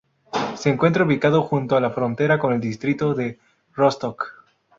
Se encuentra ubicado junto a la frontera con el distrito de Rostock.